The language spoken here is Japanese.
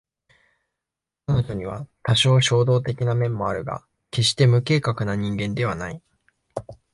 彼女には多少衝動的な面もあるが決して無計画な人間ではない